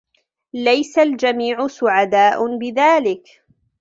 ليس الجميع سعداء بذلك.